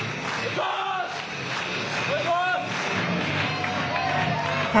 お願いします！